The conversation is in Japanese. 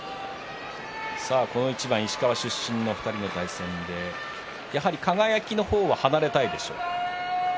この一番、石川出身の２人の対戦でやはり輝の方は離れたいでしょうか。